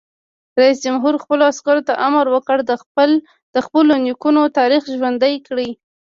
رئیس جمهور خپلو عسکرو ته امر وکړ؛ د خپلو نیکونو تاریخ ژوندی کړئ!